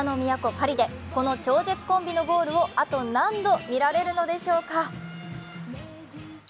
パリでこの超絶コンビのゴールをあと何度、見られるのでしょうか。